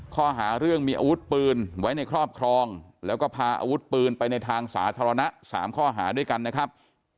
ข้อหาเรื่องมีอาวุธปืนไว้ในครอบครองแล้วก็พาอาวุธปืนไปในทางสาธารณะ๓ข้อหาด้วยกันนะครับ